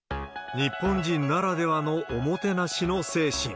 日本人ならではのおもてなしの精神。